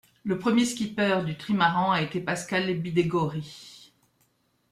Le premier skipper du trimaran a été Pascal Bidégorry.